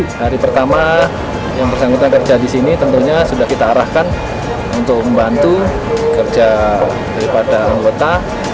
hari pertama yang bersangkutan kerja di sini tentunya sudah kita arahkan untuk membantu kerja daripada anggota